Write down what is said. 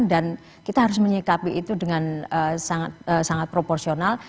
dan kita harus menyikapi itu dengan sangat proporsional